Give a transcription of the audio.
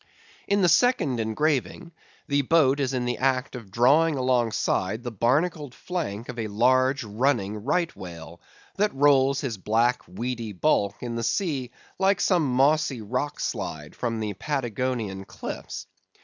In the second engraving, the boat is in the act of drawing alongside the barnacled flank of a large running Right Whale, that rolls his black weedy bulk in the sea like some mossy rock slide from the Patagonian cliffs.